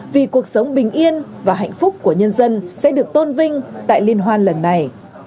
vì cuộc sống bình yên và hạnh phúc của nhân dân sẽ được tôn vinh tại liên hoan lần này